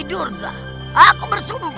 jadi mengingatkan kepadamu